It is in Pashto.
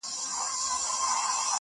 • شرم پر حقيقت غالب کيږي تل..